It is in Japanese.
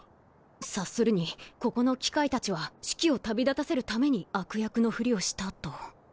察するにここの機械たちはシキを旅立たせるために悪役のふりをしたと。